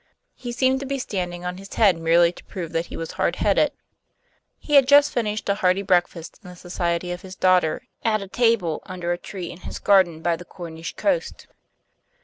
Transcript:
He seemed to be standing on his head merely to prove that he was hard headed. He had just finished a hearty breakfast, in the society of his daughter, at a table under a tree in his garden by the Cornish coast.